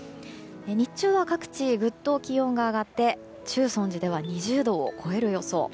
日中は各地、ぐっと気温が上がって中尊寺では２０度を超える予想。